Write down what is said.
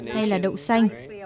hay là đậu xanh